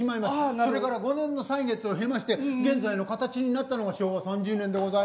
それから５年の歳月を経まして現在の形になったのが昭和３０年でございます。